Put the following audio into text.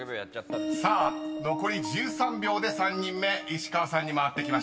［さあ残り１３秒で３人目石川さんに回ってきました］